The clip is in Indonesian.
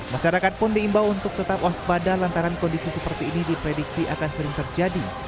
masyarakat pun diimbau untuk tetap waspada lantaran kondisi seperti ini diprediksi akan sering terjadi